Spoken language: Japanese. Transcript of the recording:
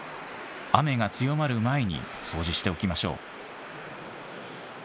雨が強まる前に掃除しておきましょう。